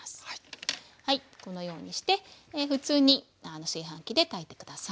このようにして普通に炊飯器で炊いて下さい。